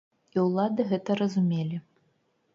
І ўлады гэта разумелі.